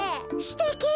すてき。